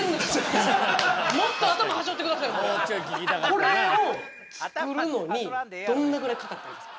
これを作るのにどんなぐらいかかったんですか？